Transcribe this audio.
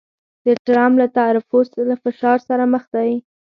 د ټرمپ د تعرفو له فشار سره مخ دی